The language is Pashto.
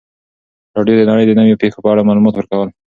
راډیو د نړۍ د نویو پیښو په اړه معلومات ورکول.